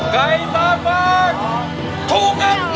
ไก่ตาฟาง